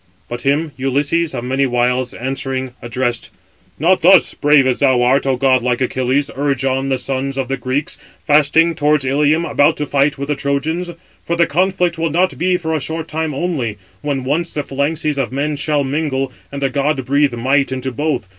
But him Ulysses, of many wiles, answering, addressed: "Not thus, brave as thou art, O godlike Achilles, urge on the sons of the Greeks, fasting, towards Ilium, about to fight with the Trojans; for the conflict will not be for a short time only, when once the phalanxes of men shall mingle, and a god breathe might into both.